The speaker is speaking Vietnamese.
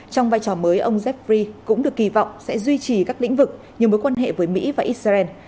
trong vai trò mới ông zebri cũng được kỳ vọng sẽ duy trì các lĩnh vực như mối quan hệ với mỹ và israel